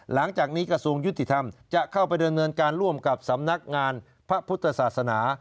หลังจากนี้กระทรวงยุติธรรมจะเข้าไปดำเนินการร่วมกับสำนักงานพระพุทธศาสนา